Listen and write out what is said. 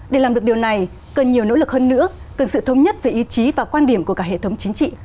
để làm được điều này cần nhiều nỗ lực hơn nữa cần sự thống nhất về ý chí và quan điểm của cả hệ thống chính trị